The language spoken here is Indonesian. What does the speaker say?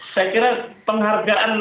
saya kira penghargaan